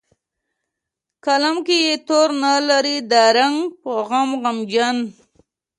قلم کې یې توري نه لري د رنګ په غم غمجن